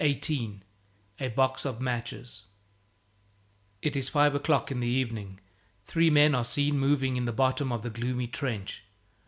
XVIII A Box of Matches IT is five o'clock in the evening. Three men are seen moving in the bottom of the gloomy trench.